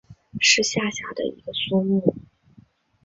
是下辖的一个苏木。